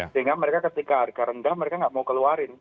sehingga mereka ketika harga rendah mereka nggak mau keluarin